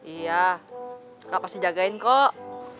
iya kak pasti jagain kok